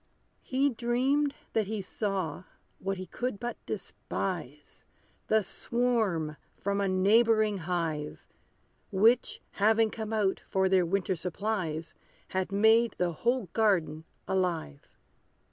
He dreamed that he saw, what he could but despise, The swarm from a neighboring hive; Which, having come out for their winter supplies, Had made the whole garden alive.